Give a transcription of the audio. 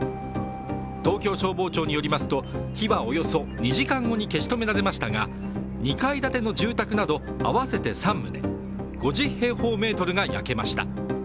東京消防庁によりますと火はおよそ２時間後に消し止められましたが２階建ての住宅など合わせて３棟５０平方メートルが焼けました。